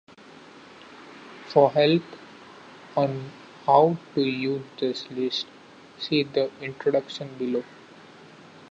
For help on how to use this list, see the introduction below.